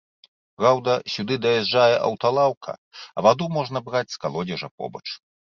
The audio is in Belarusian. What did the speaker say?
Праўда, сюды даязджае аўталаўка, а ваду можна браць з калодзежа побач.